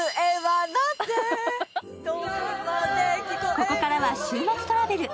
ここからは「週末トラベル」。